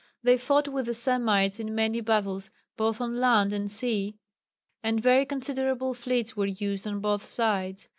They fought with the Semites in many battles both on land and sea, and very considerable fleets were used on both sides.